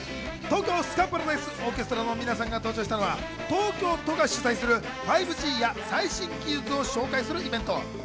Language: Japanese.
東京スカパラダイスオーケストラの皆さんが登場したのは、東京都が主催する、５Ｇや最新技術を紹介するイベント。